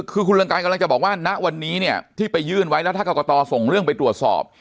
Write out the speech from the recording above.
คือคุณรังกายกำลังจะบอกว่าณวันนี้ที่ไปยื่นไว้รัฐกรกตส่งเรื่องไปตรวจสอบ